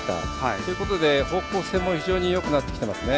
そういうことで、方向性も非常によくなってきてますね。